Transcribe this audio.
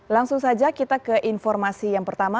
langsung saja kita ke informasi yang pertama